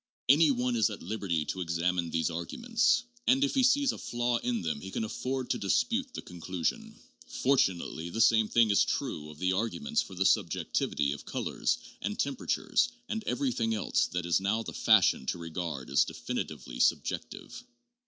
Any one is at liberty to examine these arguments, and if he sees a flaw in them he can afford to dispute the conclusion. Fortunately the same thing is true of the arguments for the sub jectivity of colors and temperatures and everything else that it is now the fashion to regard as definitively subjective.